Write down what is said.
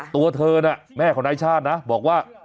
ตัวเธอน่ะแม่ของนายชาตินะบอกว่า